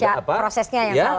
ya prosesnya yang salah